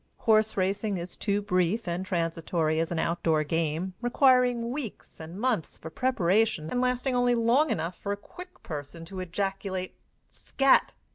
Horse racing is too brief and transitory as an outdoor game, requiring weeks and months for preparation and lasting only long enough for a quick person to ejaculate "Scat!"